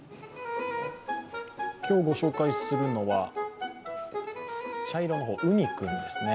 今日ご紹介するのは、茶色の方、うに君ですね。